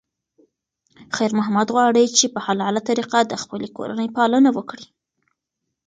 خیر محمد غواړي چې په حلاله طریقه د خپلې کورنۍ پالنه وکړي.